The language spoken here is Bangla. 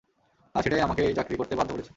আর সেটাই আমাকে এই চাকরি করতে বাধ্য করেছে।